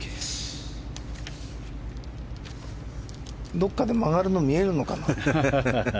どこかで曲がるのが見えるのかな。